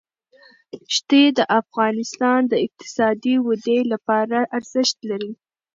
ښتې د افغانستان د اقتصادي ودې لپاره ارزښت لري.